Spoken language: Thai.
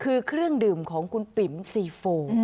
คือเครื่องดื่มของคุณปิ๋มซีโฟ